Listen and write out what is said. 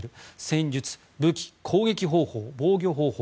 戦術、武器、攻撃方法、防御方法